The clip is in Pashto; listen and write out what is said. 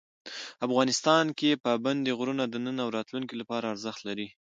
افغانستان کې پابندی غرونه د نن او راتلونکي لپاره ارزښت لري.